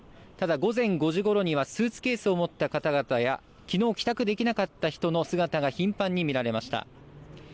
ただ午前５時ごろにはスーツケースを持った方々や、きのう帰宅できなかった人の姿が頻繁に見られました。